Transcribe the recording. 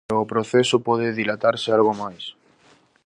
Pero o proceso pode dilatarse algo máis.